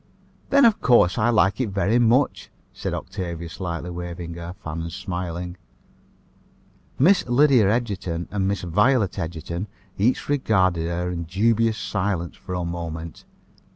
"Then, of course, I like it very much," said Octavia, slightly waving her fan and smiling. Miss Lydia Egerton and Miss Violet Egerton each regarded her in dubious silence for a moment.